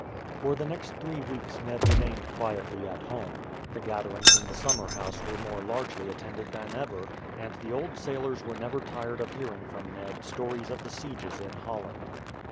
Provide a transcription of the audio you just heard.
For the next three weeks Ned remained quietly at home. The gatherings in the summer house were more largely attended than ever, and the old sailors were never tired of hearing from Ned stories of the sieges in Holland.